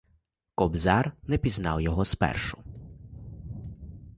Кобзар не пізнав його спершу.